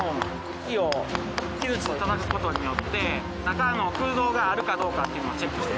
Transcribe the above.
木を木づちでたたく事によって中の空洞があるかどうかっていうのをチェックしてます。